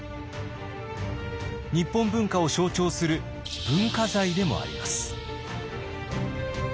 日本文化を象徴する文化財でもあります。